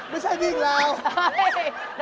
ไม่ใช่วิ่งแล้ว